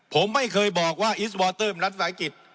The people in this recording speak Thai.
ผมไม่เคยบอกว่าอิสวอเตอร์รัฐฝ่ายกิจ